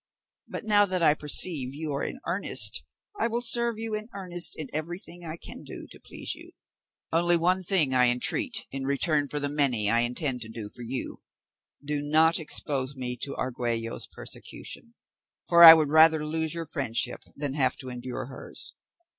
But now that I perceive you are in earnest, I will serve you in earnest in everything I can do to please you. Only one thing I entreat in return for the many I intend to do for you: do not expose me to Argüello's persecution, for I would rather lose your friendship than have to endure hers.